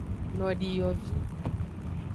Nodiyovi.